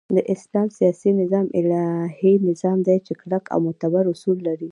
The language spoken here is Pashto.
د اسلام سیاسی نظام الهی نظام دی چی کلک او معتبر اصول لری